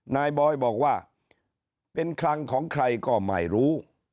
นายบอยบอกว่าเป็นคลังของใครก็ไม่รู้